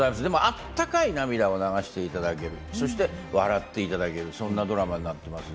温かい涙を流していただけるそして笑っていただけるそんなドラマになっています。